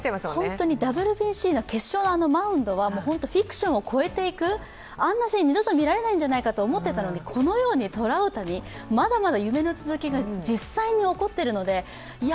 本当にＷＢＣの決勝のマウンドはフィクションを超えていくあんなシーン、二度と見られないんじゃないかと思っていたのに、このようにトラウタニ、まだまだ夢の続きが実際に起こっているのでいや